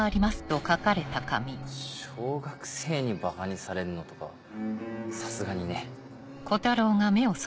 小学生にばかにされるのとかさすがにね。